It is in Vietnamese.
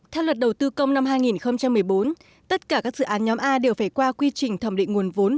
theo luật đầu tư công năm hai nghìn một mươi bốn tất cả các dự án nhóm a đều phải qua quy trình thẩm định nguồn vốn